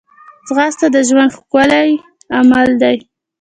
ځغاسته د ژوند ښکلی عمل دی